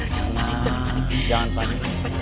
jangan panik jangan panik